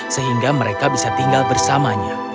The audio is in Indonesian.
sehingga mereka bisa tinggal bersamanya